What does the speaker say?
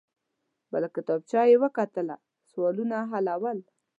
بله کتابچه يې وکته. سوالونه حل وو.